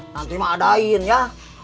nanti mak adain ya